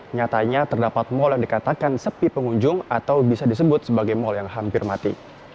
nyatanya terdapat mal yang dikatakan sepi pengunjung atau bisa disebut sebagai mal yang hampir mati